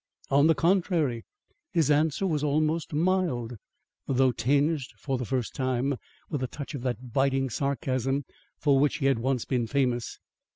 On the contrary, his answer was almost mild, though tinged for the first time with a touch of that biting sarcasm for which he had once been famous.